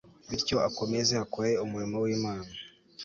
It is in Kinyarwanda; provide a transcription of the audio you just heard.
bityo akomeze akore umurimo w'imana